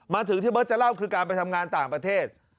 มาถึงที่เบิร์ตจะเล่าคือการไปทำงานต่างประเทศ